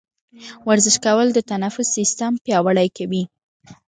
ورزش کول د تنفس سیستم پیاوړی کوي.